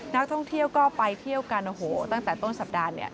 นักท่องเที่ยวก็ไปเที่ยวกันโอ้โหตั้งแต่ต้นสัปดาห์เนี่ย